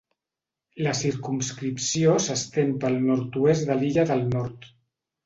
La circumscripció s'estén pel nord-oest de l'illa del Nord.